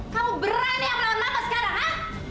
kamu berani melawan apa sekarang ya